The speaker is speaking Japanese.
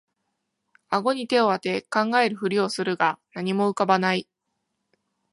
あごに手をあて考えるふりをするが何も浮かばない